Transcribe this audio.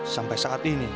sampai saat ini